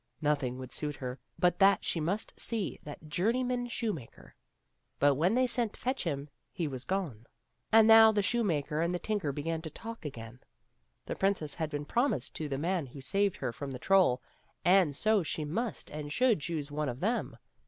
Nothing would suit her but that she must see that journeyman shoemaker. But when they sent to fetch him, he was gone. And now the shoemaker and the tinker began to talk again; the princess had been promised to the man who saved her from the troll, and so she must and should choose one of them.